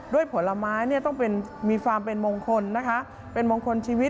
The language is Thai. ด้วยผลไม้มีความเป็นมงคลชีวิต